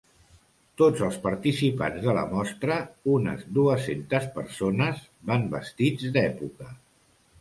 Tots els participants de la mostra, unes dues-centes persones, van vestits d'època.